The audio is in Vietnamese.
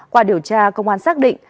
qua điều tra công an xác định